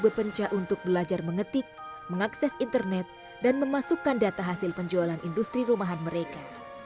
berpencah untuk belajar mengetik mengakses internet dan memasukkan data hasil penjualan industri rumahan mereka